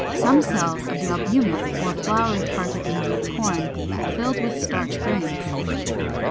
Some cells of the albumen or floury part of Indian Corn, filled with starch grains.